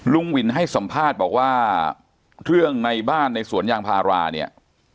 ลุงวินให้สัมภาษณ์บอกว่าเรื่องในบ้านในสวนยางพาราเนี่ย